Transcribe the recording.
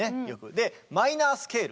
でマイナースケール。